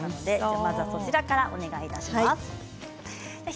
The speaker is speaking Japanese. まずはそちらからお願いします。